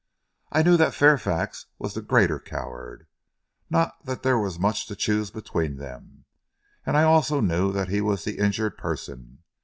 I knew that Fairfax was the greater coward not that there was much to choose between them and I also knew that he was the injured person.